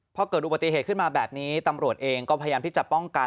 พอเกิดอุบัติเหตุขึ้นมาแบบนี้ตำรวจเองก็พยายามที่จะป้องกัน